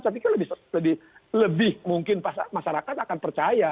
saya pikir lebih mungkin masyarakat akan percaya